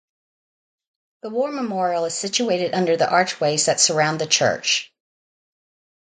The war memorial is situated under the archways that surround the church.